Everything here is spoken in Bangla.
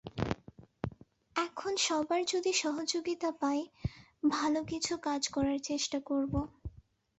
এখন সবার যদি সহযোগিতা পাই, ভালো কিছু কাজ করার চেষ্টা করব।